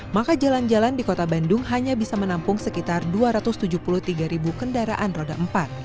maka jalan jalan di kota bandung hanya bisa menampung sekitar dua ratus tujuh puluh tiga ribu kendaraan roda empat